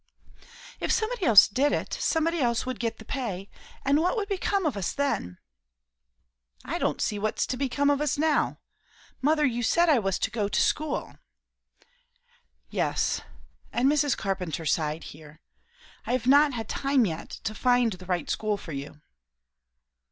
"If somebody else did it, somebody else would get the pay; and what would become of us then?" "I don't see what's to become of us now. Mother, you said I was to go to school." "Yes," and Mrs. Carpenter sighed here. "I have not had time yet to find the right school for you."